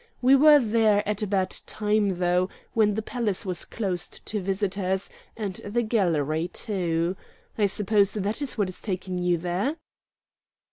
We were there at a bad time, though, when the palace was closed to visitors, and the gallery too. I suppose that is what is taking you there?"